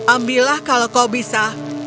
ambillah kalau kau bisa